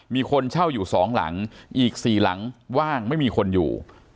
มีคนเช่าอยู่สองหลังอีก๔หลังว่างไม่มีคนอยู่